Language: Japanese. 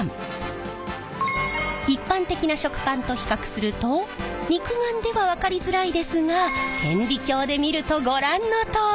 一般的な食パンと比較すると肉眼では分かりづらいですが顕微鏡で見るとご覧のとおり！